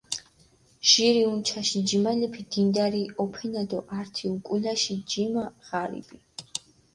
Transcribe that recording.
ჟირი უნჩაში ჯიმალეფი დინდარი ჸოფენა დო ართი უკულაში ჯიმა ღარიბი.